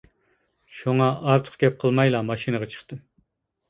شۇڭا ئارتۇق گەپ قىلمايلا ماشىنىغا چىقتىم.